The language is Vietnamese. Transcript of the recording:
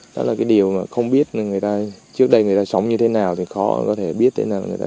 đó là điều không biết trước đây người ta sống như thế nào thì khó có thể biết nguyên nhân người ta chết